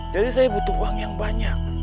jadi saya butuh uang yang banyak